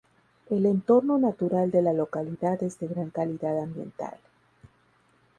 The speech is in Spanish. El entorno natural de la localidad es de gran calidad ambiental.